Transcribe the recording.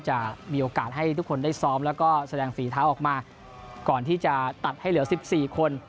จะมีโอกาสให้ทุกคนได้ซ้อมแล้วก็แสดงฝีเท้าออกมาก่อนที่จะตัดให้เหลือ๑๔คน